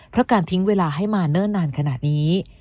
เพราะการทิ้งเวลาให้มาเนิ่นนานขนาดนี้